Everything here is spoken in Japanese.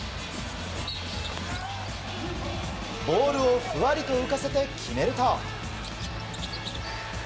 ボールをふわりと浮かせて決めると。